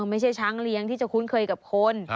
ไม่ใช่ช้างเลี้ยงที่จะคุ้นเคยกับคน